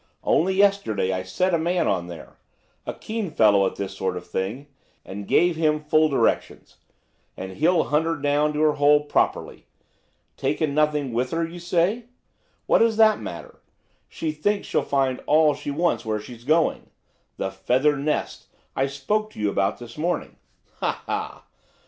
Only yesterday I set a man on there–a keen fellow at this sort of thing–and gave him full directions; and he'll hunt her down to her hole properly. Taken nothing with her, do you say? What does that matter? She thinks she'll find all she wants where she's going–'the feathered nest' I spoke to you about this morning. Ha! ha!